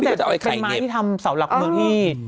ต้องแต่คิดว่าไข่เหมียวเป็นไม้ที่ทำสาวหลักเมือง